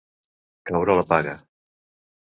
Caure la paga.